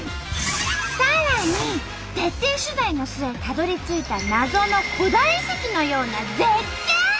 さらに徹底取材の末たどりついたナゾの古代遺跡のような絶景！